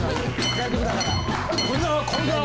大丈夫だから。